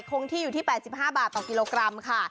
คงที่อยู่ที่๘๕บาทต่อกิโลกรัมค่ะ